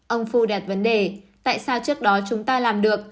ông phu đặt vấn đề tại sao trước đó chúng ta làm được